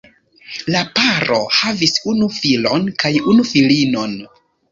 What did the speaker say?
La paro havis unu filon kaj unu filinon.